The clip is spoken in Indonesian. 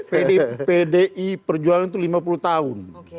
pdi perjuangan itu lima puluh tahun